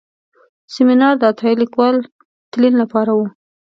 سیمینار د عطایي لیکوال تلین لپاره و.